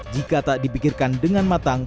jika tak dipikirkan dengan matang